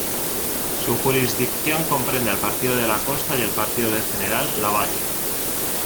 Su jurisdicción comprende al Partido de La Costa y al Partido de General Lavalle.